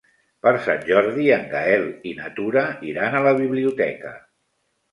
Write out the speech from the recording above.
Per Sant Jordi en Gaël i na Tura iran a la biblioteca.